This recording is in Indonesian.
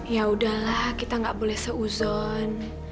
ya udahlah kita nggak boleh seuzon